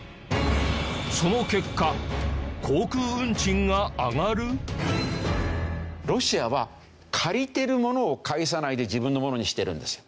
その結果ロシアは借りてるものを返さないで自分のものにしているんですよ。